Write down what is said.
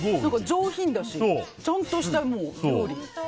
上品だし。ちゃんとした料理。